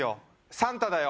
サンタだよ